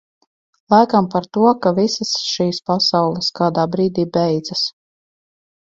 Laikam par to, ka visas šīs pasaules kādā brīdī beidzas.